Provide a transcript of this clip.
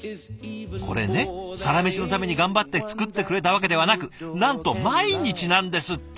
これね「サラメシ」のために頑張って作ってくれたわけではなくなんと毎日なんですって！